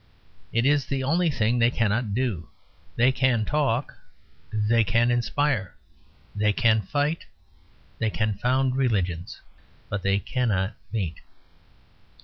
It is the only thing they cannot do. They can talk, they can inspire, they can fight, they can found religions; but they cannot meet.